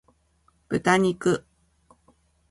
豚肉